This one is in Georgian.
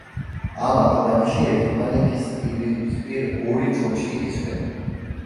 ამ აკლდამაში ერთმანეთის პირისპირ ორი ჩონჩხი ესვენა.